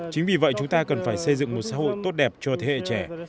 chính vì vậy chúng ta cần phải xây dựng một xã hội tốt đẹp cho thế hệ trẻ